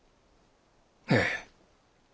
ええ。